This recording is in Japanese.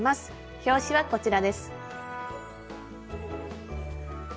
表紙はこちらです。